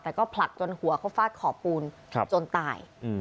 แต่ก็ผลักจนหัวเขาฟาดขอบปูนจนตาย